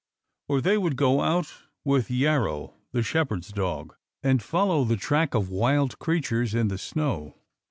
Or they would go out with Yarrow, the shepherd's dog, and follow the track of wild creatures in the snow.